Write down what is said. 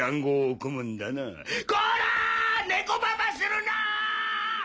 ネコババするな！